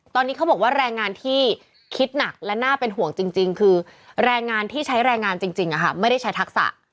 ตอนนี้เขาบอกว่าแรงงานที่คิดหนักและน่าเป็นห่วงจริงคือแรงงานที่ใช้แรงงานจริงไม่ได้ใช้ทักษะ